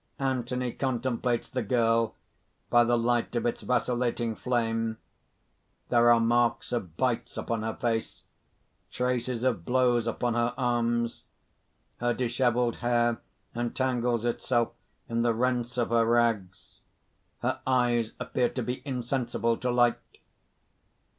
_ Anthony contemplates the girl, by the light of its vacillating flame. _There are marks of bites upon her face, traces of blows upon her arms; her dishevelled hair entangles itself in the rents of her rags; her eyes appear to be insensible to light.